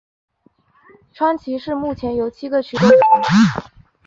川崎市目前由七个区构成。